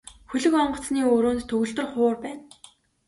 Хөлөг онгоцны өрөөнд төгөлдөр хуур байна.